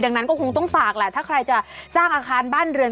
ดังนั้นก็คงต้องฝากแหละถ้าใครจะสร้างอาคารบ้านเรือน